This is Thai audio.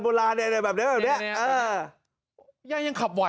เบลานอย่างนึงแบบนี้